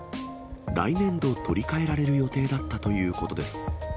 来年度、取り替えられる予定だったということです。